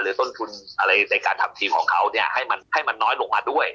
ต้นทุนอะไรในการทำทีมของเขาเนี่ยให้มันน้อยลงมาด้วย